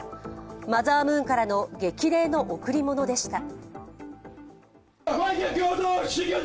マザームーンからの激励の贈り物でした。